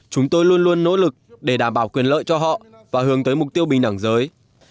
chúng tôi luôn luôn nỗ lực để đảm bảo quyền lợi cho họ và hướng tới mục tiêu bình đẳng giới